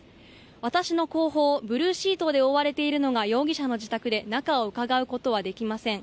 私の後方、ブルーシートで覆われているのが容疑者の自宅で中をうかがうことはできません。